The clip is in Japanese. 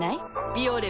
「ビオレ」